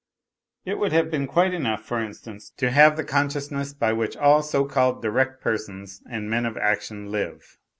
It would have been quite enough, for instance, to have the consciousness by which all so called direct persons and men of action live.